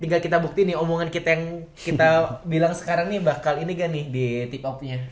tinggal kita bukti nih omongan kita yang kita bilang sekarang nih bakal ini gak nih di tip of nya